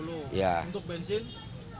dua ratus lima puluh untuk bensin